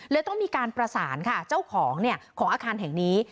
ต้องมีการประสานค่ะเจ้าของของอาคารแห่งนี้